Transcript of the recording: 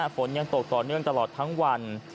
ฝนยังตกต่อเนื่องตลอดทั้งวัน